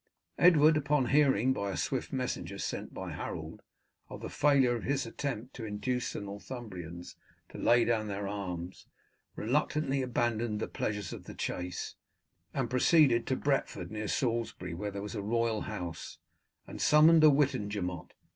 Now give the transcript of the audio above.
Edward, upon hearing, by a swift messenger sent by Harold, of the failure of his attempt to induce the Northumbrians to lay down their arms, reluctantly abandoned the pleasures of the chase, and proceeded to Bretford, near Salisbury, where there was a royal house, and summoned a Witenagemot.